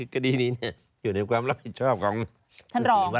คดีนี้อยู่ในความรับผิดชอบของท่านรอง